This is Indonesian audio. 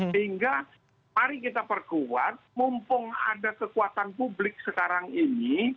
sehingga mari kita perkuat mumpung ada kekuatan publik sekarang ini